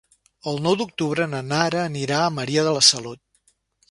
El nou d'octubre na Nara anirà a Maria de la Salut.